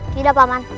tidak pak man